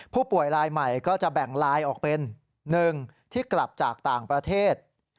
ผู้ป่วยลายใหม่ก็จะแบ่งลายออกเป็น๑ที่กลับจากต่างประเทศ